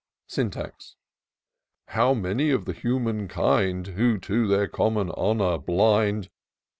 Syntax. *^ How many of the human kind. Who, to their common, honour blind.